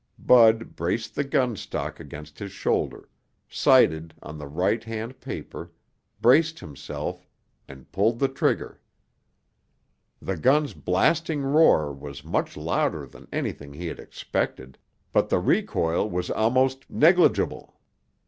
Bud braced the gun stock against his shoulder, sighted on the right hand paper, braced himself, and pulled the trigger. The gun's blasting roar was much louder than anything he had expected, but the recoil was almost negligible.